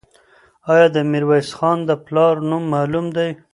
آیا د میرویس خان د پلار نوم معلوم دی؟